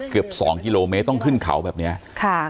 เกือบสองกิโลเมตรต้องขึ้นเขาแบบเนี้ยค่ะ